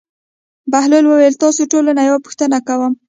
بهلول وویل: تاسو ټولو نه یوه پوښتنه کوم.